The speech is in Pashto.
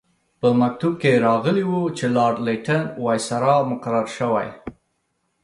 په مکتوب کې راغلي وو چې لارډ لیټن وایسرا مقرر شوی.